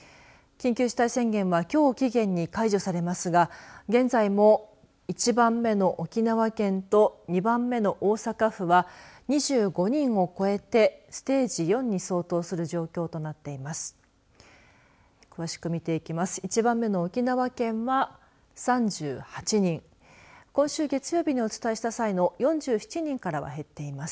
緊急事態宣言はきょうを期限に解除されますが現在も１番目の沖縄県と２番目の大阪府は２５人を超えてステージ４に相当する状況となっています。